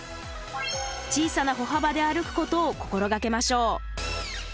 小さな歩幅で歩くことを心掛けましょう。